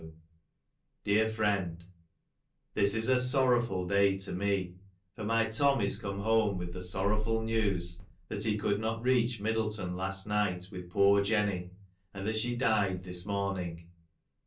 W. Dear Friend, This is a sorrowful day to me — for my Tom is come home with the sorrowful news, that he could not reach Middleton last night with poor Jenny, and that she died this morning.